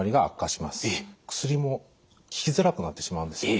薬も効きづらくなってしまうんですね。